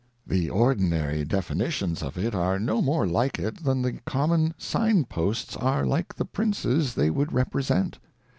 The ordinary Definitions of it are no more like it, than the common Sign posts are like the Princes they would RELIGION. would represent.